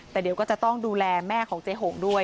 แต่เดี๋ยวก็จะต้องดูแลแม่ของเจ๊หงด้วย